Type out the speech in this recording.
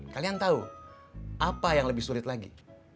kalian tahu apa yang lebih sulit lagi